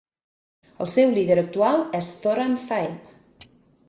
El seu líder actual és Zoran Zaev.